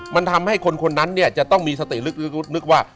มันทำให้คนคนนั้นเนี่ยจะต้องมีสติลึกนึกว่า